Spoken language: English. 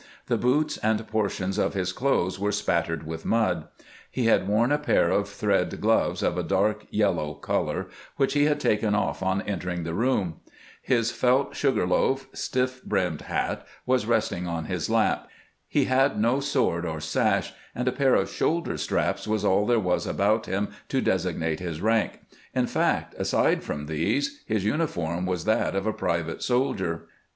The boots and portions of his clothes were spattered with mud. He had worn a pair of thread gloves of a dark yellow color, which he had taken off on entering the room. His felt " sugar loaf," stiff brimmed hat was resting on his lap. He had no sword or sash, and a pair CHAIB IN WHICH LBE SAT. 474 CAMPAIGNING WITH GKANT CHAIB IS WHICH SEANT SAT. of shoulder straps was all there was about him to desig nate his rank. In fact, aside from these, his uniform was that of a private soldier.